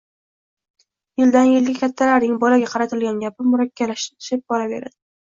Yildan yilga kattlarning bolaga qaratilgan gapi murakkablashib boraveradi